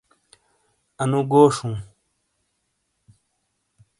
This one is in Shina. انو گوش ہوں